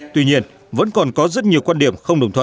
tuy nhiên vẫn còn có rất nhiều quan điểm không đồng thuận